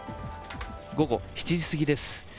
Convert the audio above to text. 午後７時過ぎです。